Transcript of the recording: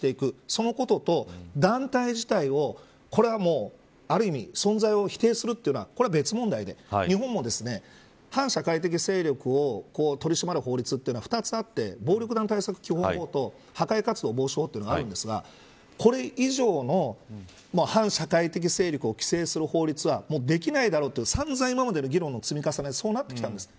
そのことと団体自体をこれはある意味、存在を否定するというのは、これは別問題で日本も反社会的勢力を取り締まる法律は２つあって暴力団対策基本法と破壊活動防止法というのがあるんですがこれ以上の反社会的勢力を規制する法律はもうできないだろうとさんざん今までの議論の積み重ねでそうなってきたんです。